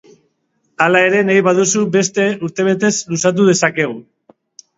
Hala ere, nahi badu, beste urtebetez luza dezake.